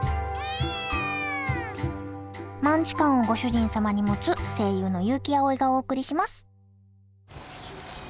マンチカンをご主人様に持つ声優の悠木碧がお送りします。